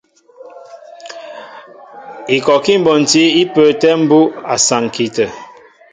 Ikɔkí mbonti í pə́ə́tɛ̄ mbú' a saŋki tə̂.